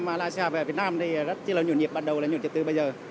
malaysia về việt nam thì rất là nhiều nhiệm bắt đầu là nhiều tiệc tư bây giờ